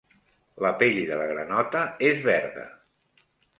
La pell de la granota és verda.